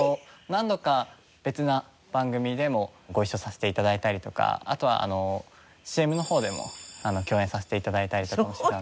何度か別な番組でもご一緒させて頂いたりとかあとＣＭの方でも共演させて頂いたりとかしてたんで。